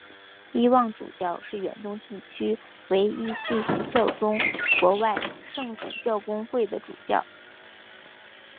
伊望主教是远东地区唯一继续效忠国外圣主教公会的主教。